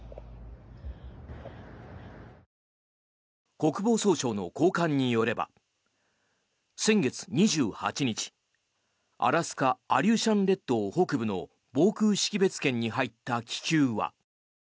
国防総省の高官によれば先月２８日アラスカ・アリューシャン列島北部の防空識別圏に入った気球は。